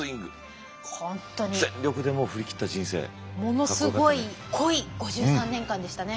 ものすごい濃い５３年間でしたね。